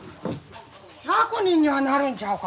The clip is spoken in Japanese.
１００人にはなるんちゃうか。